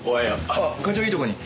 あっ課長いいとこに。